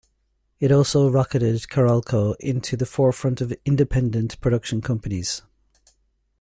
It also rocketed Carolco into the forefront of independent production companies.